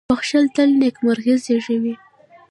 • بښل تل نېکمرغي زېږوي.